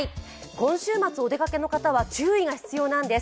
今週末、お出かけの方は注意が必要なんです。